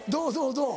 どう？